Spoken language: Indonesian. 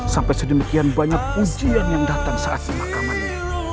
sampai sedemikian banyak ujian yang datang saat di mahkamahnya